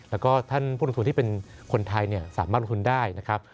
แล้วก็ท่านผู้ลงทุนที่เป็นคนไทยสามารถลงทุนได้นะครับ